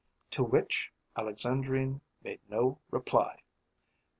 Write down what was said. To which Alexandrine made no reply.